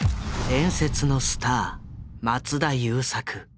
伝説のスター松田優作。